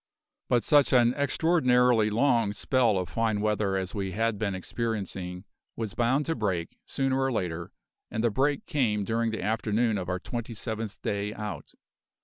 But such an extraordinarily long spell of fine weather as we had been experiencing was bound to break, sooner or later, and the break came during the afternoon of our twenty seventh day out.